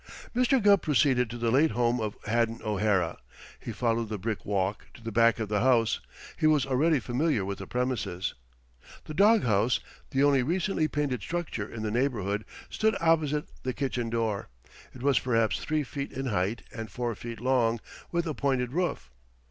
Mr. Gubb proceeded to the late home of Haddon O'Hara. He followed the brick walk to the back of the house. He was already familiar with the premises. The dog house the only recently painted structure in the neighborhood stood opposite the kitchen door. It was perhaps three feet in height and four feet long, with a pointed roof.